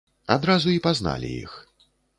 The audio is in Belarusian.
Адразу і пазналі іх.